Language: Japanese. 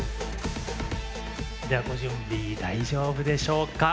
ではご準備大丈夫でしょうか？